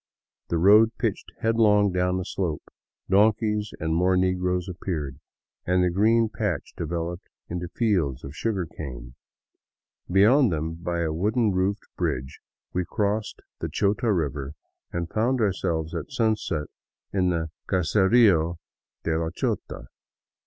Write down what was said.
The road pitched headlong down a slope, donkeys and more negroes appeared, and the green patch developed into fields of sugarcane. Beyond them, by a wooden roofed bridge, we crossed the Chota river and found ourselves at sunset in the " Caserio de la Chota."